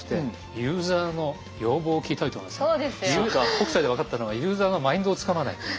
北斎で分かったのはユーザーのマインドをつかまないと。